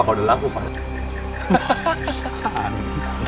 kalau udah laku panjang